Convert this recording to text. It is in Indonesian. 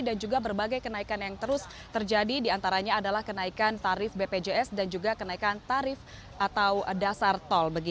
dan juga berbagai kenaikan yang terus terjadi diantaranya adalah kenaikan tarif bpjs dan juga kenaikan tarif atau dasar tol